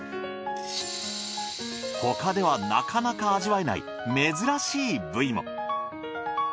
他ではなかなか味わえない珍しい部位も。